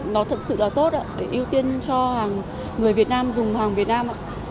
nó thật sự là tốt ưu tiên cho người việt nam dùng hàng việt nam